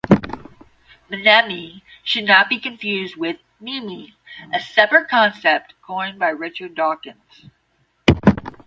"Mneme" should not be confused with "meme, "a separate concept coined by Richard Dawkins.